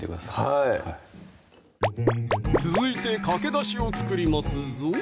はい続いてかけだしを作りますぞ